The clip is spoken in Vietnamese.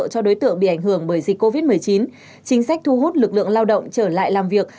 cho đối tượng bị ảnh hưởng bởi dịch covid một mươi chín chính sách thu hút lực lượng lao động trở lại làm việc